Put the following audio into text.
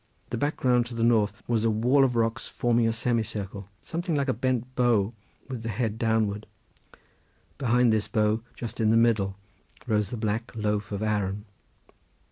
The background to the north was a wall of rocks forming a semicircle, something like a bent bow with the head downward; behind this bow, just in the middle, rose the black loaf of Arran.